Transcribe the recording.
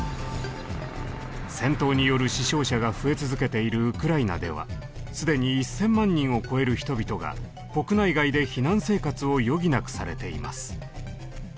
戦闘による死傷者が増え続けているウクライナでは既に１，０００万人を超える人々が国内外で避難生活を余儀なくされています。